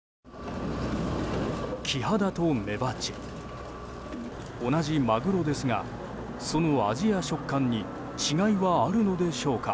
キハダとメバチ同じマグロですがその味や食感に違いはあるのでしょうか。